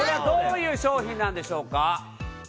どういう商品なんでしょうか？